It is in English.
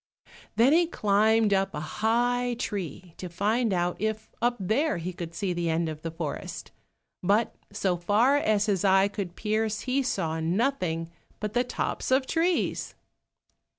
Then he climbed up a high tree to find out if up there he could see the end of the forest, but so far as his eye could pierce he saw nothing but the tops of trees.